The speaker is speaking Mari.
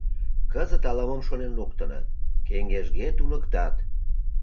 Кызыт ала-мом шонен луктыныт: кеҥежге туныктат.